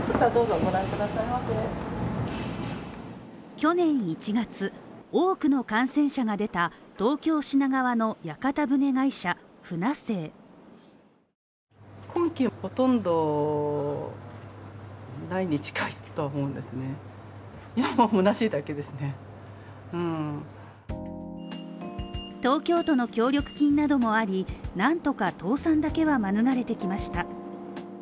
去年１月、多くの感染者が出た、東京品川の屋形船会社船清東京都の協力金などもあり、なんとか倒産だけは免れてきました。